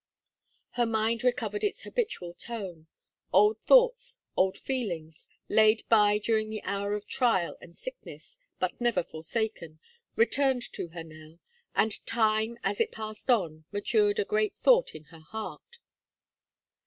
Her mind recovered its habitual tone; old thoughts, old feelings, laid by during the hour of trial and sickness, but never forsaken, returned to her now, and time, as it passed on, matured a great thought in her heart.